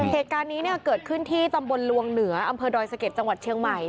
เหตุการณ์นี้เนี่ยเกิดขึ้นที่ตำบลลวงเหนืออำเภอดอยสะเก็ดจังหวัดเชียงใหม่